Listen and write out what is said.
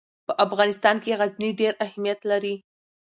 په افغانستان کې غزني ډېر اهمیت لري.